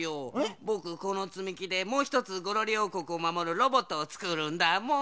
ぼくこのつみきでもうひとつゴロリおうこくをまもるロボットをつくるんだもん。